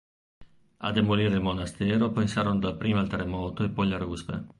A demolire il monastero pensarono dapprima il terremoto e poi le ruspe.